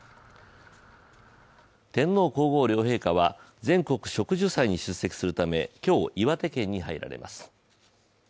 天皇皇后両陛下は全国植樹祭に出席するため今日、岩手県に入られます。